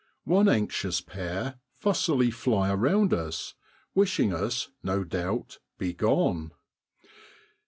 One anxious pair fussily fly around us, wishing us, no doubt, begone.